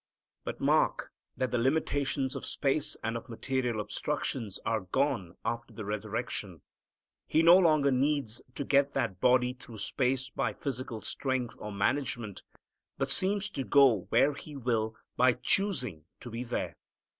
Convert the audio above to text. But mark that the limitations of space and of material obstructions are gone after the resurrection. He no longer needs to get that body through space by physical strength or management, but seems to go where He will by choosing to be there.